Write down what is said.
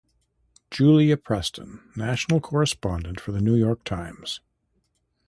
Julia Preston, national correspondent for The New York Times.